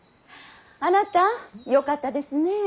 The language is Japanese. あなたよかったですねえ。